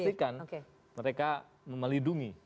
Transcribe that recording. pastikan mereka melindungi